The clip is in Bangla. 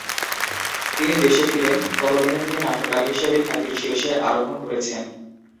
তিনি দেশে ফিরেন, ততদিনে তিনি নাট্যকার হিসেবে খ্যাতির শীর্ষে আরোহণ করেছেন।